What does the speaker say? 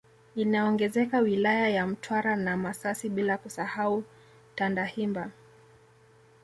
Inaongezeka wilaya ya Mtwara na Masasi bila kusahau Tandahimba